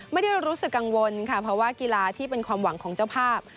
ไม่ได้รู้สึกกังวลค่ะเพราะว่ากีฬาที่เป็นความหวังของเจ้าภาพ